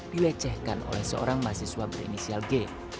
dilecehkan oleh seorang mahasiswa berinisial g